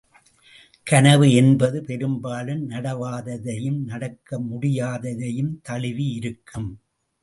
கனவு என்பது பெரும்பாலும் நடவாததையும், நடக்க முடியாததையுந் தழுவியிருக்கும்.